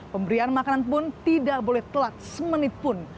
pemberian makanan pun tidak boleh telat semenit pun